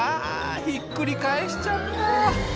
ひっくり返しちゃった。